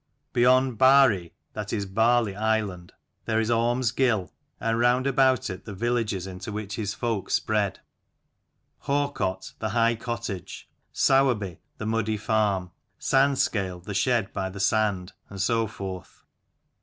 Beyond Barr ey, that is Barley island there is Orm's Gill, and round about it the villages into which his folk spread; Hawcott, the high cottage ; Sowerby, the muddy farm ; Sandscale, the shed by the sand; and so forth.